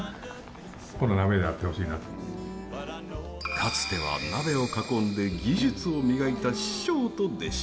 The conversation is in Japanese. かつては鍋を囲んで技術を磨いた師匠と弟子。